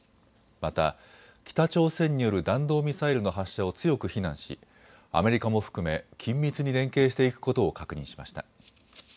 また北朝鮮による弾道ミサイルの発射を強く非難しアメリカも含め緊密に連携していくことを確認しました。